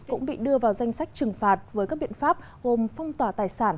cũng bị đưa vào danh sách trừng phạt với các biện pháp gồm phong tỏa tài sản